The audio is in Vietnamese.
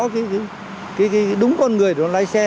cái đúng con người đó lái xe